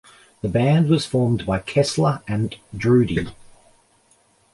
The band was formed by Kessler and Drudy.